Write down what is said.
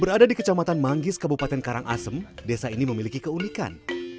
berada di kecamatan manggis kabupaten karangasem desa ini memiliki keunikan